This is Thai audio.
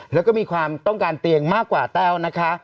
แล้วก็มีความต้องการเตียงมากกว่าแต้วนะคะ